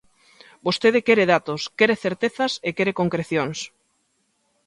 Vostede quere datos, quere certezas e quere concrecións.